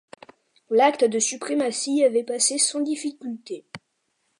L'Acte de suprématie avait passé sans difficulté.